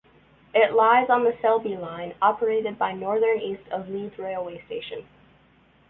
It lies on the Selby Line, operated by Northern east of Leeds railway station.